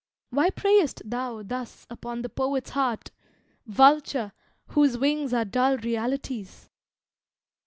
Why preyest thou thus upon the poet's heart, Vulture, whose wings are dull realities?